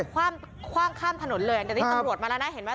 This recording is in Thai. อ่ะเรายังคว่าคร่ามถนนเลยแต่นี่ตำรวจมาแล้วน่าเห็นไหม